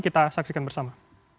kita saksikan bersama